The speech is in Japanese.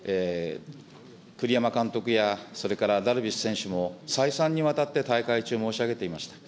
栗山監督や、それからダルビッシュ選手も再三にわたって大会中申し上げていました。